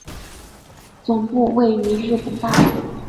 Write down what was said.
总部位于日本大阪。